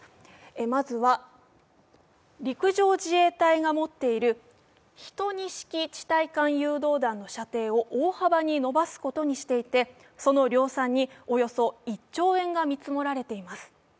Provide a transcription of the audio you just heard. まずは、陸上自衛隊が持っている１２式地対艦誘導弾の射程を大幅に伸ばすことにしていてその量産におよそ１兆円が見積もられています。